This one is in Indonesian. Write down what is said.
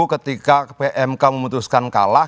ketika pmk memutuskan kalah